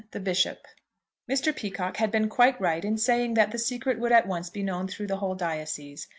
THE BISHOP. MR. PEACOCKE had been quite right in saying that the secret would at once be known through the whole diocese.